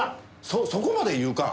そそこまで言うか！